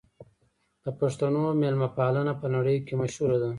د پښتنو مېلمه پالنه په نړۍ کې مشهوره ده.